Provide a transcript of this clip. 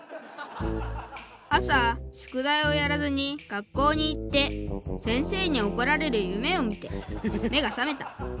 「朝宿題をやらずに学校に行って先生におこられる夢を見て目が覚めた。